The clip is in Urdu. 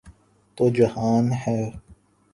تو جہان ہے۔